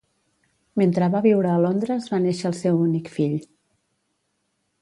Mentre va viure a Londres va néixer el seu únic fill.